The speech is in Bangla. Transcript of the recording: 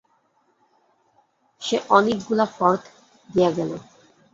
সে অনেকগুলা ফর্দ দিয়া গেল।